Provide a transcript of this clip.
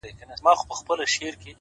قسم کومه په اودس راپسې وبه ژاړې’